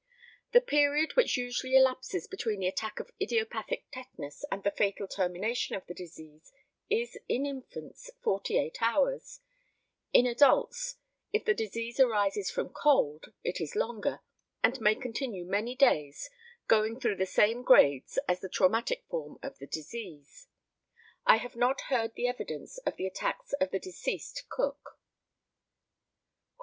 The period which usually elapses between the attack of idiopathic tetanus and the fatal termination of the disease is in infants forty eight hours; in adults, if the disease arises from cold, it is longer, and may continue many days, going through the same grades as the traumatic form of the disease. I have not heard the evidence of the attacks of the deceased Cook.